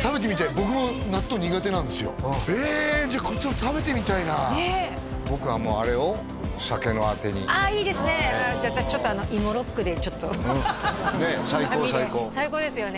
食べてみたい僕も納豆苦手なんですよじゃこれちょっと食べてみたいな僕はもうあれを酒のアテにああいいですねじゃあ私ちょっとあの芋ロックで最高最高つまみで最高ですよね